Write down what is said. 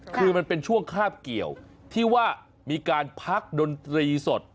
คือมันเป็นช่วงคาบเกี่ยวที่ว่ามีการพักดนตรีสด